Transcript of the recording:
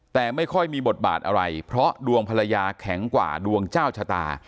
แต่ไม่ค่อยมีบทบาทอะไรเพราะดวงภรรยาแข็งกว่าดวงเจ้าชะตา